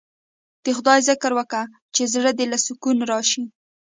د خداى ذکر وکه چې زړه له دې سکون رايشي.